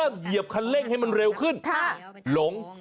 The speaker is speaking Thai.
เหยียบคันเร่งให้มันเร็วขึ้นหลง